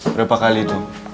berapa kali itu